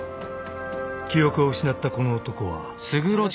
［記憶を失ったこの男は］